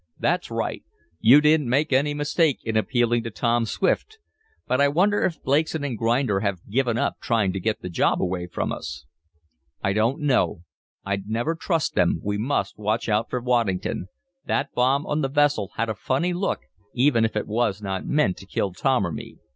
"That's right. You didn't make any mistake in appealing to Tom Swift. But I wonder if Blakeson & Grinder have given up trying to get the job away from us?" "I don't know. I'd never trust them. We must watch out for Waddington. That bomb on the vessel had a funny look, even if it was not meant to kill Tom or me.